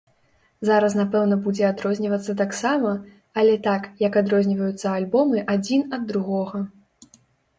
Зараз напэўна будзе адрознівацца таксама, але так, як адрозніваюцца альбомы адзін ад другога.